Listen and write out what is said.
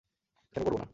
কেন করব না?